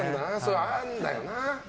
あるんだよな。